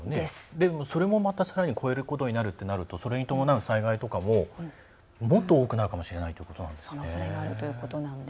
でも、それもまたさらに超えることになるとなるとそれに伴う災害とかももっと多くなるかもしれないということなんですね。